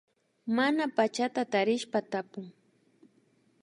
Mana pachata tarishpa tapun